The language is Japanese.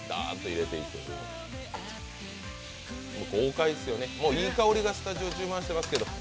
豪快ですよね、いい香りがスタジオ充満してますけど。